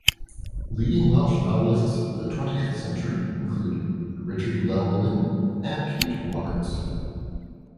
Leading Welsh novelists of the twentieth century include Richard Llewellyn and Kate Roberts.